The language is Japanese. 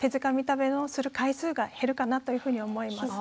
食べをする回数が減るかなというふうに思います。